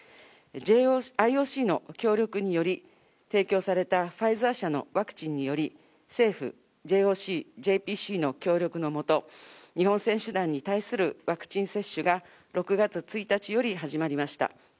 ＩＯＣの協力により、提供されたファイザー社のワクチンにより、政府、ＪＯＣ、ＪＰＣの協力の下、日本選手団に対するワクチン接種が６月１日より始まりました。